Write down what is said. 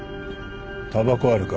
たばこあるか？